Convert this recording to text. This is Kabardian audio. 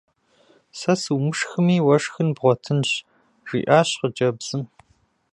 Сэ сумышхми уэ шхын бгъуэтынщ! – жиӀащ хъыджэбзым.